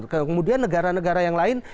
kemudian negara negara yang lain